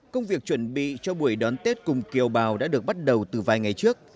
công việc chuẩn bị cho buổi đón tết cùng kiều bào đã được bắt đầu từ vài ngày trước